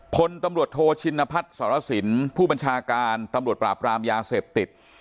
พลตำรวจโทชินพัฒน์สรสินผู้บัญชาการตำรวจปราบรามยาเสพติด